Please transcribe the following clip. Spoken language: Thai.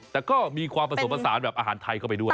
แต่ก็มีความผสมผสานแบบอาหารไทยเข้าไปด้วย